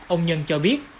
ông nhân cho biết